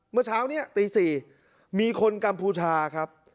เมื่อเช้านี้ตี๔มีคนกัมพูชาครับ